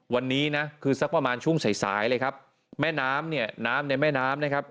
วันนี้นะคือสักประมาณช่วงสายสายเลยครับแม่น้ำเนี่ยน้ำในแม่น้ำนะครับ